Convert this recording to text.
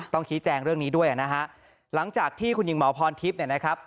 ชี้แจงเรื่องนี้ด้วยนะฮะหลังจากที่คุณหญิงหมอพรทิพย์เนี่ยนะครับ